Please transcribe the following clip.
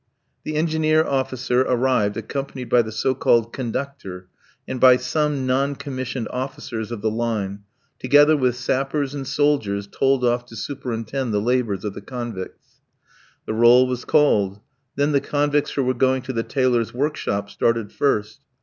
The Engineer officer arrived accompanied by the so called "conductor" and by some non commissioned officers of the Line, together with sappers and soldiers told off to superintend the labours of the convicts. The roll was called. Then the convicts who were going to the tailors' workshop started first.